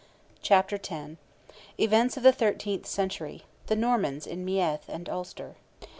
CHAPTER X. EVENTS OF THE THIRTEENTH CENTURY—THE NORMANS IN MEATH AND ULSTER.